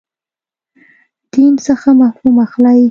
دین څخه مفهوم اخلئ.